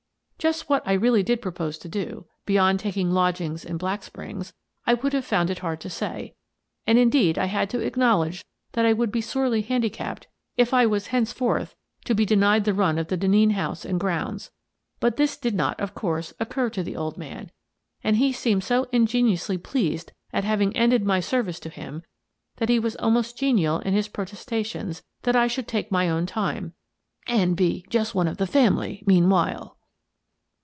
" My Friend, the Thief 237 Just what I really did propose to do — beyond taking lodgings in Black Springs — I would have found it hard to say, and indeed I had to acknowl edge that I would be sorely handicapped if I was henceforth to be denied the run of the Denneen house and grounds, but this did not, of course, occur to the old man, and he seemed so ingenuously pleased at having ended my service to him that he was almost genial in his protestations that I should take my own time —" and be just one of the fam ily meanwhile!